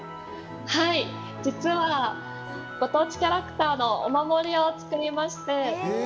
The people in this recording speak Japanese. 実はご当地キャラクターのお守りを作りまして。